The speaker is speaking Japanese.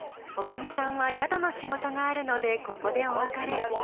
女将さんは宿の仕事があるのでここでお別れ。